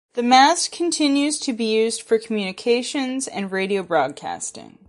The mast continues to be used for communications and radio broadcasting.